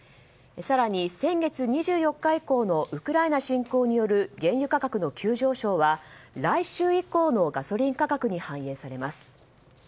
更に先月２４日以降のウクライナ侵攻による原油価格の急上昇は来週以降のガソリン価格に反映されます。